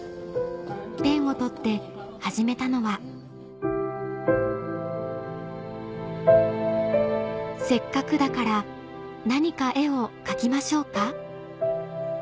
ペンを取って始めたのは「せっかくだから何か絵を描きましょうか？」